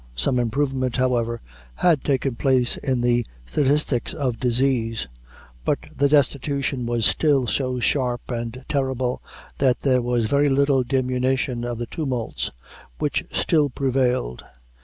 Some improvement, however, had taken place in the statistics of disease; but the destitution was still so sharp and terrible, that there was very little diminution of the tumults which still prevailed.